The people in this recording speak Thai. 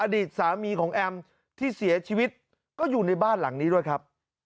อดีตสามีของแอมที่เสียชีวิตก็อยู่ในบ้านหลังนี้ด้วยครับ